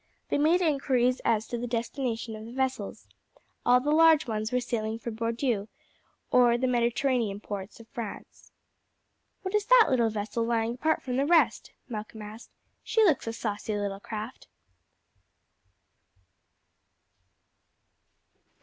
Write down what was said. They made inquiries as to the destination of the vessels. All the large ones were sailing for Bordeaux or the Mediterranean ports of France. "What is that little vessel lying apart from the rest?" Malcolm asked. "She looks a saucy little craft."